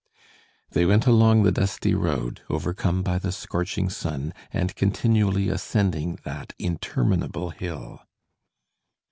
They went along the dusty road, overcome by the scorching sun, and continually ascending that interminable hill.